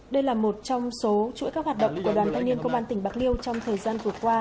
đây là một trong số chuỗi các hoạt động của đoàn thanh niên công an tỉnh bạc liêu trong thời gian vừa qua